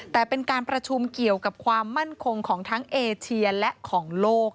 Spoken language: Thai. แต่เป็นการประชุมเกี่ยวกับความมั่นคงของทั้งเอเชียและของโลก